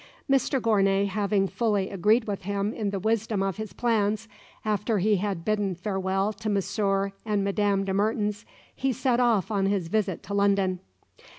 Mr Gournay having fully agreed with him in the wisdom of his plans, after he had bidden farewell to Monsieur and Madame de Mertens, he set off on his visit to London.